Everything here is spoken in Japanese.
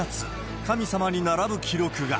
神様に並ぶ記録が。